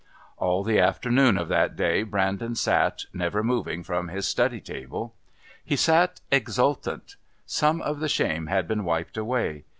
All the afternoon of that day Brandon sat, never moving from his study table. He sat exultant. Some of the shame had been wiped away.